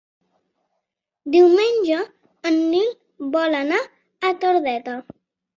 Diumenge en Nil vol anar a Tordera.